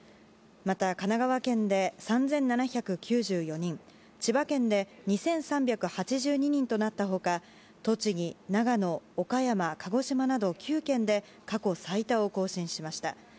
また、神奈川県で３７９４人千葉県で２３８２人となった他栃木、長野、岡山、鹿児島など９県で過去最多を更新しました。